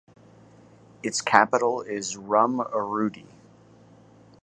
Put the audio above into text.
Its capital is Rumuruti.